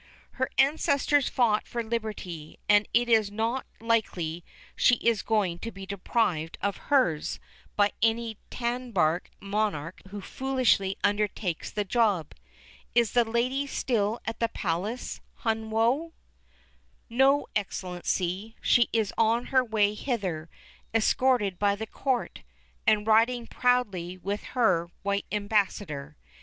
"Her ancestors fought for liberty, and it is not likely she is going to be deprived of hers by any tan bark monarch who foolishly undertakes the job. Is the lady still at the Palace, Hun Woe?" "No, Excellency, she is on her way hither, escorted by the Court, and riding proudly with her white ambassador.